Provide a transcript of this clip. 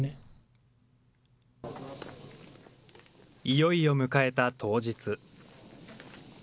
いよいよ迎えた当日。